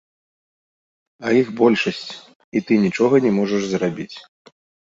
А іх большасць, і ты нічога не можаш зрабіць.